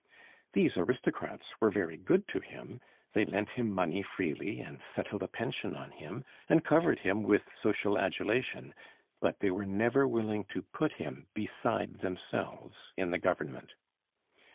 These aristocrats were very good to him. They lent him money freely, and settled a pension on him, and covered him with social adulation; but they were never willing to put him beside themselves in the government.